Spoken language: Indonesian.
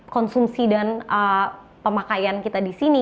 konsumsi dan pemakaian kita disini